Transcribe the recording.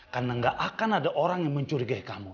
karena gak akan ada orang yang mencurigai kamu